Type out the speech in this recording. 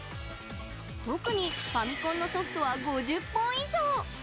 特に、ファミコンのソフトは５０本以上！